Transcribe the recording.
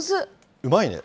うまいね。